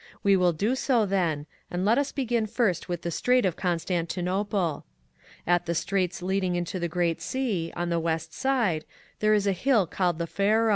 We will do so then, and let us begin first with the Strait of Constantinople. "At the Straits leading into the Great Sea, on the West Side, there is a hill called the Faro.